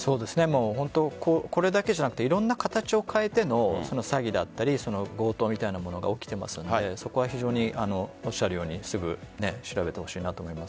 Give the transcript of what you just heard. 本当に、これだけじゃなくいろんな形を変えての詐欺だったり強盗みたいなものが起きていますのでそこは非常におっしゃるようにすぐ調べてほしいと思います。